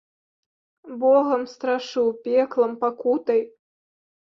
Богам страшыў, пеклам, пакутай.